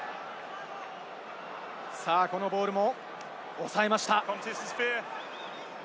このボールもおさえました。